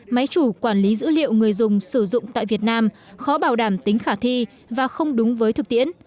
máy chủ quản lý dữ liệu người dùng sử dụng tại việt nam khó bảo đảm tính khả thi và không đúng với thực tiễn